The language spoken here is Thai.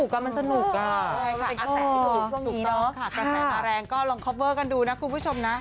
กระแสมะแรงก็ลองคอปเวิร์กันดูนะคุณผู้ชมนะ